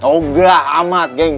oh enggak amat geng